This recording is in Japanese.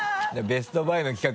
ベストバイの企画